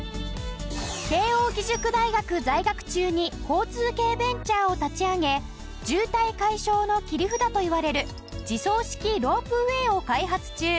慶應義塾大学在学中に交通系ベンチャーを立ち上げ渋滞解消の切り札といわれる自走式ロープウェーを開発中。